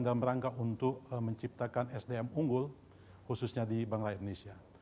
dalam rangka untuk menciptakan sdm unggul khususnya di bank rakyat indonesia